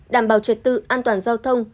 đảm bảo trật tự an toàn giao thông